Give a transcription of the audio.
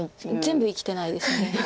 全部生きてないです。